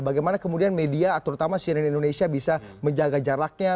bagaimana kemudian media terutama cnn indonesia bisa menjaga jaraknya